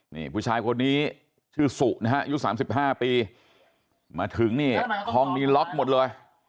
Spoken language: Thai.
นี่ผู้ชายคนนี้ชื่อสุนะฮะอายุ๓๕ปีมาถึงนี่ห้องนี้ล็อกหมดเลย